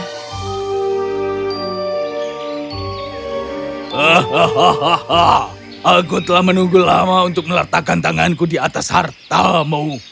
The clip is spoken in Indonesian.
hahaha aku telah menunggu lama untuk meletakkan tanganku di atas hartamu